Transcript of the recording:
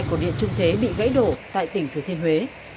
hai cổ điện trung thế bị gãy đổ tại tỉnh thừa thiên huế